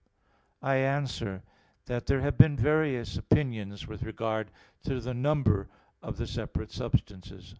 I answer that, There have been various opinions with regard to the number of the separate substances.